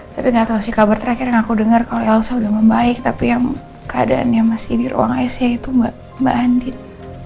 tapi nggak tahu sih kabar terakhir yang aku dengar kalau elsa udah membaik tapi yang keadaannya masih di ruang icu itu mbak andi